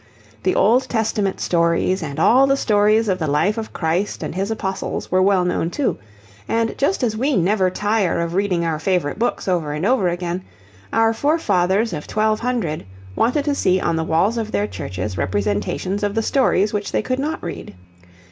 The Old Testament stories and all the stories of the life of Christ and His Apostles were well known too, and just as we never tire of reading our favourite books over and over again, our forefathers of 1200 wanted to see on the walls of their churches representations of the stories which they could not read.